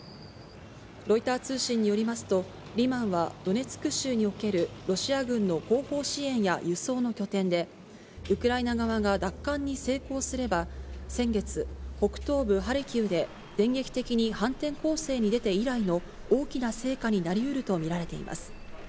ロイター通信によりますと、リマンはドネツク州における、ロシア軍の後方支援や輸送の拠点で、ウクライナ側が奪還に成功すれば、先月、北東部ハルキウで、電撃的に反転攻勢に出て以来の、大きな成果になりうると見られています。